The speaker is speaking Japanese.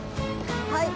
はい。